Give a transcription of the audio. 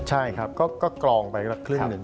ใช่ครับก็กรองไปสักครึ่งหนึ่ง